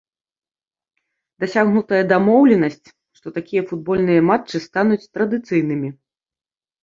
Дасягнутая дамоўленасць, што такія футбольныя матчы стануць традыцыйнымі.